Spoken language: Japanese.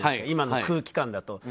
今の空気感だと。